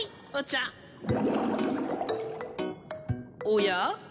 おや？